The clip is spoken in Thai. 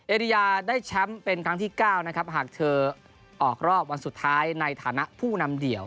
เอริยาได้แชมป์เป็นครั้งที่๙นะครับหากเธอออกรอบวันสุดท้ายในฐานะผู้นำเดี่ยว